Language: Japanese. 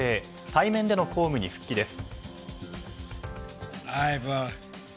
対面での公務に復帰です。